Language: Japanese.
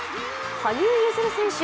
羽生結弦選手。